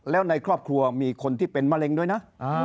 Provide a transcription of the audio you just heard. แล้วในครอบครัวมีคนที่เป็นมะเร็งด้วยนะ